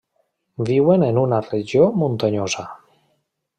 Viuen en una regió muntanyosa.